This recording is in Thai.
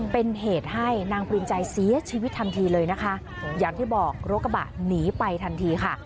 เป็นเหตุให้นางภูมิใจเสียชีวิตทันทีเลยนะคะอย่างที่บอกรถกระบะหนีไปทันทีค่ะ